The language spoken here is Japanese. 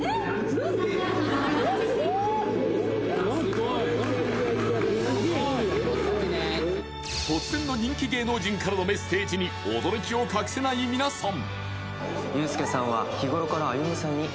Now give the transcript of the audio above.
ここから突然の人気芸能人からのメッセージに驚きを隠せない皆さん